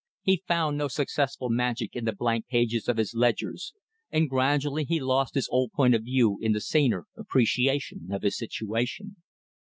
He found no successful magic in the blank pages of his ledgers; and gradually he lost his old point of view in the saner appreciation of his situation.